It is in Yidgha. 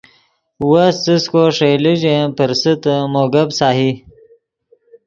وس څس کو ݰئیلے ژے ین پرسیتے مو گپ سہی